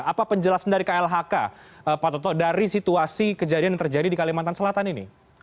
apa penjelasan dari klhk pak toto dari situasi kejadian yang terjadi di kalimantan selatan ini